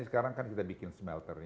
sekarang kan kita bikin smelter